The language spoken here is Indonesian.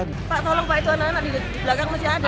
pak tolong pak itu anak anak di belakang masih ada